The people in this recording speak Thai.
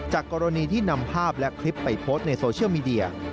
กรณีที่นำภาพและคลิปไปโพสต์ในโซเชียลมีเดีย